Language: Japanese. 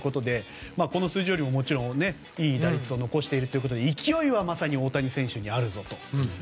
この数字よりもいい打率を残しているということで勢いはまさに大谷選手にあるぞと。